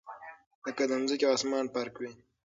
لكه دځمكي او اسمان فرق وي